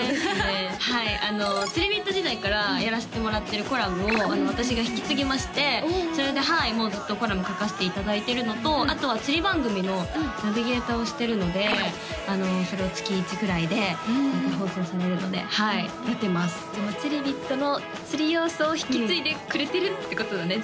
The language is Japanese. はいつりビット時代からやらせてもらってるコラムを私が引き継ぎましてそれでもうずっとコラム書かせていただいてるのとあとは釣り番組のナビゲーターをしてるのでそれを月１くらいで放送されるのではいやってますじゃあつりビットの釣り要素を引き継いでくれてるってことだね